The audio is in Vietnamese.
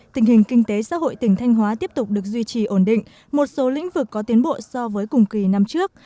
tình hình kinh tế xã hội tỉnh thanh hóa tiếp tục được duy trì ổn định một số lĩnh vực có tiến bộ so với cùng kỳ năm trước